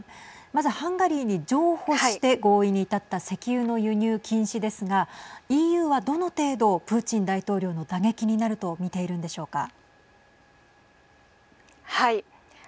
まずハンガリーに譲歩して合意に至った石油の輸入禁止ですがＥＵはどの程度プーチン大統領の打撃になると見ているんでしょうか。